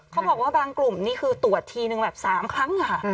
เขาบอกว่าบางกลุ่มนี่คือตรวจทีนึงแบบ๓ครั้งค่ะ